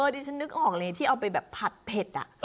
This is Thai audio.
ดิฉันนึกออกเลยที่เอาไปแบบผัดเผ็ด